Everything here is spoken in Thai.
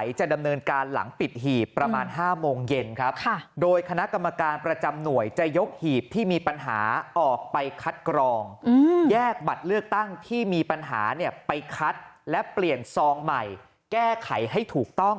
แยกบัตรเลือกตั้งที่มีปัญหาไปคัดและเปลี่ยนซองใหม่แก้ไขให้ถูกต้อง